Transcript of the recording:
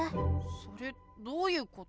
それどういうこと？